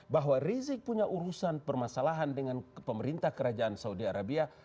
bahwa rizik punya urusan permasalahan dengan pemerintah kerajaan saudi arabia